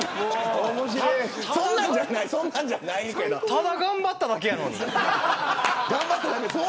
ただ頑張っただけやのに。